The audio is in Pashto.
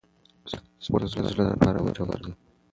سپورت د زړه لپاره ګټور دی.